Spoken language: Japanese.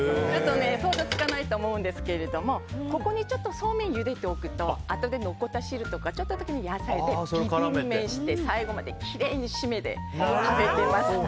想像つかないと思うんですけどここに、そうめんをゆでておくとあとで残った汁とかちょっとの野菜で最後まできれいに締めで食べてます。